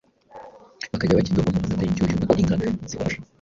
bakajya bakidomamo amata y'inshyushyu, uko inka zihumuje,